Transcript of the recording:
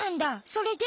それで？